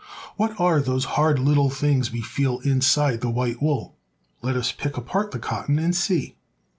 What are those hard little things we feel inside the white wool ? Let us pick apart the cot ton and see.